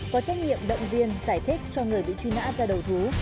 có trách nhiệm động viên giải thích cho người bị truy nã ra đầu thú